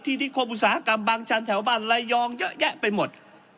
นิคมอุตสาหกรรมบางชั้นแถวบ้านระยองเยอะแยะไปหมด